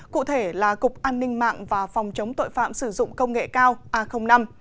cụ thể là cục an ninh mạng và phòng chống tội phạm sử dụng công nghệ cao a năm